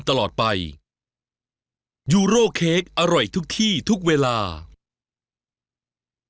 เติมพลังให้รถของคุณเติมที่ปั๊มซาสโกฟิลยูอเดย์เติมพลังให้วันของคุณ